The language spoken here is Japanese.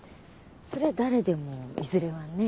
そりゃ誰でもいずれはね。